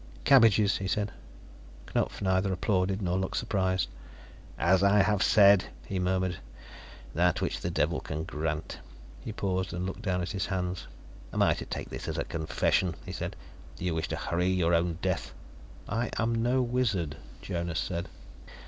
"Cabbages," he said. Knupf neither applauded, nor looked surprised. "As I have said," he murmured, "that which the Devil can grant " He paused and looked down at his hands. "Am I to take this as a confession?" he said. "Do you wish to hurry your own death?" "I am no wizard," Jonas said.